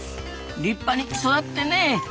立派に育ってね！